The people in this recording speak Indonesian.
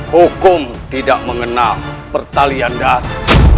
hukum tidak mengenal pertalian data